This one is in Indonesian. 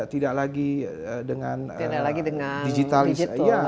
tidak lagi dengan digitalis